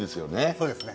そうですね。